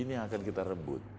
ini yang akan kita rebut